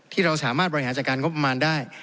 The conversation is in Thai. ที่เราสามารถบริหารจัดการงบประมาณได้